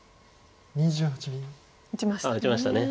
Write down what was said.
打ちましたね。